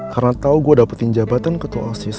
karena tau gue dapetin jabatan ketua osis